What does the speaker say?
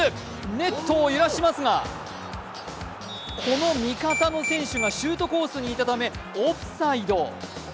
ネットを揺らしますが、この味方の選手がシュートコースにいたためオフサイド。